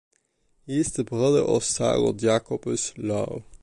He is the brother of Sarel Jacobus Louw.